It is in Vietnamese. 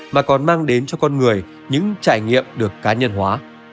mà còn mang đến cho con người những trải nghiệm được cá nhân hóa